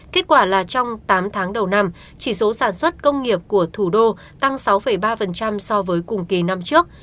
kết quả là trong tám tháng đầu năm chỉ số sản xuất công nghiệp của thủ đô tăng sáu ba so với cùng kỳ năm trước